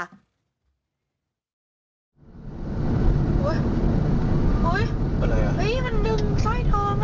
มันดึงซ่อยทอมอ่ะ